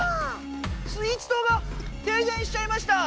スイーツ島が停電しちゃいました。